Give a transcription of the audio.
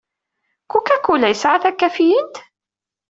Coca-Cola yesɛa takafiyint?